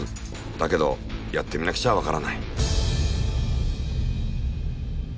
だけどやってみなくちゃわからない。